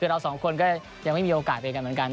คือเราสองคนก็ยังไม่มีโอกาสไปกันเหมือนกัน